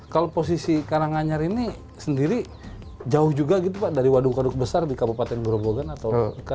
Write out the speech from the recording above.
kalau posisi karanganyar ini sendiri jauh juga gitu pak dari waduk waduk besar di kabupaten grobogan atau